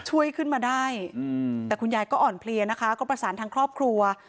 ช่วยขึ้นมาได้แต่คุณยายก็อ่อนเพลียนะคะก็ประสานทางครอบครัว